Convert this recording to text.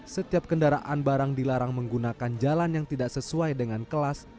setiap kendaraan barang dilarang menggunakan jalan yang tidak sesuai dengan kelas